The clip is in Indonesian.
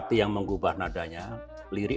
tentang cahaya ini